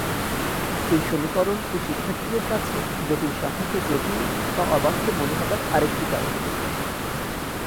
এই সমীকরণ ও শিক্ষার্থীদের কাছে জটিল সংখ্যাকে জটিল বা অবাস্তব মনে হবার আরেকটা কারণ।